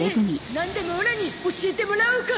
なんでもオラに教えてもらおうか！